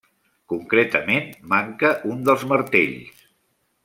Concretament manca un dels martells.